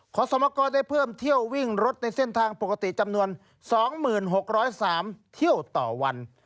ขอสมกรได้เพิ่มเที่ยววิ่งรถในเส้นทางปกติจำนวน๒๖๐๓เที่ยวต่อวัน